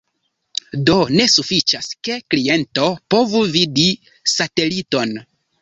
Do ne sufiĉas, ke kliento povu vidi sateliton.